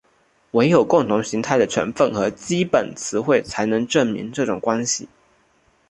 惟有共同的形态成分和基本词汇才能证明这种关系。